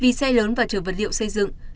vì xe lớn và trừ vật liệu xây dựng